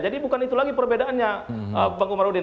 jadi bukan itu lagi perbedaannya bang kumarudin